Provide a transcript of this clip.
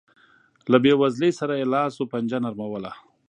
له بېوزلۍ سره یې لاس و پنجه نرموله.